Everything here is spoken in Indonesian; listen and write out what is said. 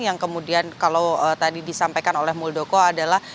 yang kemudian kalau tadi disampaikan oleh muldoko adalah